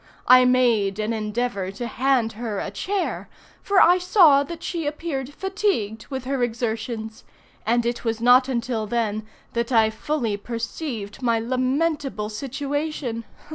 I made an endeavor to hand her a chair, for I saw that she appeared fatigued with her exertions—and it was not until then that I fully perceived my lamentable situation.